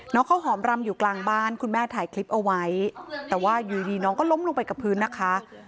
ข้าวหอมรำอยู่กลางบ้านคุณแม่ถ่ายคลิปเอาไว้แต่ว่าอยู่ดีน้องก็ล้มลงไปกับพื้นนะคะ